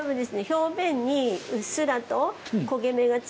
表面にうっすらと焦げ目がつけば。